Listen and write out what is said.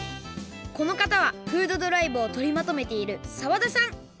このかたはフードドライブをとりまとめている澤田さん。